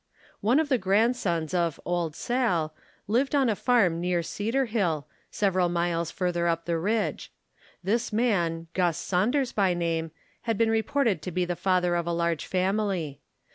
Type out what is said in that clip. One of the grandsons of "Old Sal" lived on a farm near Cedarhill, several miles farther up the ridge. This man, Guss Saunders by name, had been reported to be the father of a large family.